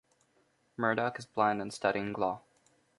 Murdock is blind and studying law.